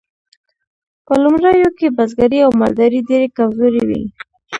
په لومړیو کې بزګري او مالداري ډیرې کمزورې وې.